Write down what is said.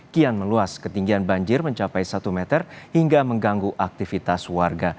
kian meluas ketinggian banjir mencapai satu meter hingga mengganggu aktivitas warga